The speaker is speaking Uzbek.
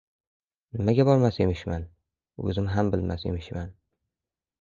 Nimaga bormas emishman, o‘zim ham bilmas emishman.